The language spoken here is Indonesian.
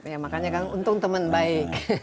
ya makanya kan untung teman baik